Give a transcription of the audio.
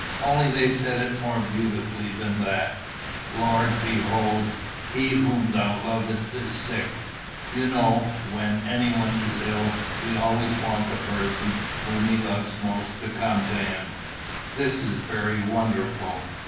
Only they said it more beautifully than that: 'Lord, behold, he whom thou lovest is sick.' You know, when anyone is ill, we always want the person whom he loves most to come to him. This is very wonderful.